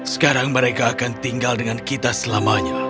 sekarang mereka akan tinggal dengan kita selamanya